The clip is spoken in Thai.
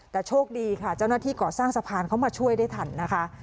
แต่โชคดีค่ะเจ้าหน้าที่ก่อสร้างสะพานเขามาช่วยได้ทันนะคะ